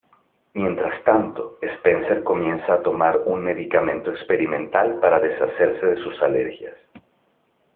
Mientras tanto, Spencer comienza a tomar un medicamento experimental para deshacerse de sus alergias.